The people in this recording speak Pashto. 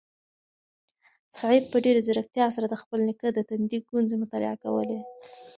سعید په ډېرې ځیرکتیا سره د خپل نیکه د تندي ګونځې مطالعه کولې.